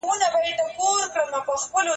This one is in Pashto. استقامت د شيطان پر وړاندي مقاومت کول دي.